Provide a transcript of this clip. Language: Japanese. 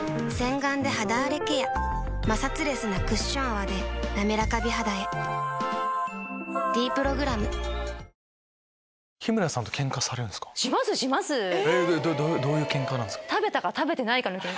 摩擦レスなクッション泡で「なめらか美肌」へ「ｄプログラム」どういうケンカなんですか？